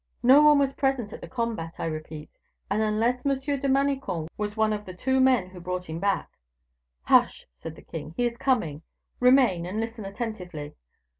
"No one was present at the combat, I repeat; and unless M. de Manicamp was one of the two men who brought him back " "Hush!" said the king, "he is coming; remain, and listen attentively."